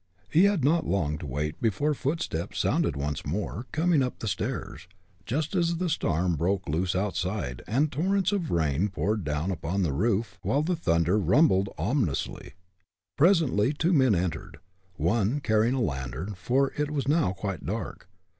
He had not long to wait before footsteps sounded once more, coming up the stairs, just as the storm broke loose outside, and torrents of rain poured down upon the roof, while the thunder rumbled ominously. Presently two men entered, one carrying a lantern, for it was now quite dark.